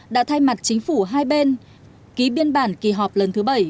đã thay mặt chính phủ hai bên ký biên bản kỳ họp lần thứ bảy